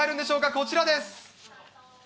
こちらです。